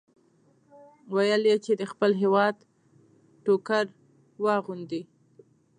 ویې ویل چې د خپل هېواد ټوکر واغوندئ.